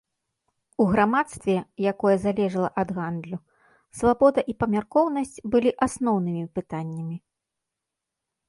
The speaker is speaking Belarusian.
У грамадстве, якое залежала ад гандлю, свабода і памяркоўнасць былі асноўнымі пытаннямі.